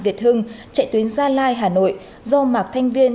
việt hưng chạy tuyến gia lai hà nội do mạc thanh viên